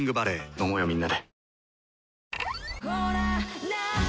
飲もうよみんなで。